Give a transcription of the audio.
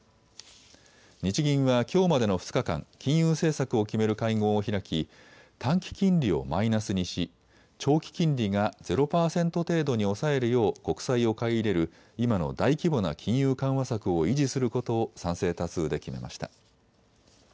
日銀はきょうまでの２日間、金融政策を決める会合を開き短期金利をマイナスにし長期金利がゼロ％程度に抑えるよう国債を買い入れる今の大規模な金融緩和策を維持することを賛成多数で決めました。